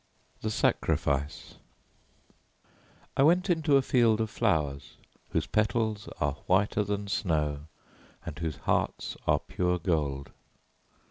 THE SACRIFICE I went into a field of flowers, whose petals are whiter than snow and whose hearts are pure gold.